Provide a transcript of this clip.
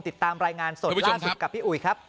ติดตามรายงานสดล่าสุดกับพี่อุ๋ยครับ